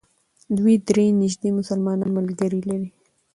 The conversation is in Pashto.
دوی درې نژدې مسلمان ملګري لري.